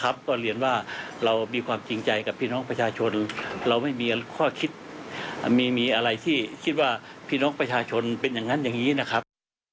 ก็เรียนว่าเรามีความจริงใจกับพี่น้องประชาชนเราไม่มีข้อคิดมีอะไรที่คิดว่าพี่น้องประชาชนเป็นอย่างนั้นอย่างนี้นะครับ